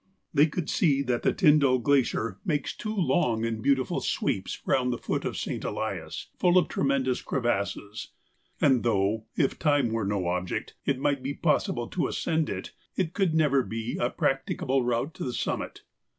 They could see that the Tyndall Glacier makes two long and beautiful sweeps round the foot of St. Elias, full of tremendous crevasses, and though, if time were no object, it might be possible to ascend it, it could never be a practicable route to the summit.